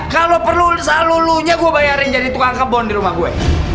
kalau perlu selulunya gua bayarin jadi tukang kebon di rumah gue